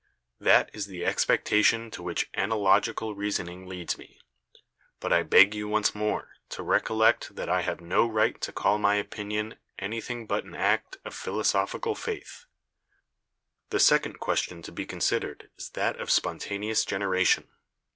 That is the expectation to which analogical reasoning leads me; but I beg you once more to recollect 44 BIOLOGY that I have no right to call my opinion anything but an act of philosophical faith." The second question to be considered is that of spon taneous generation.